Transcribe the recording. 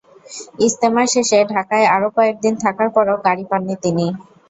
ইজতেমা শেষে ঢাকায় আরও কয়েক দিন থাকার পরও গাড়ি পাননি তিনি।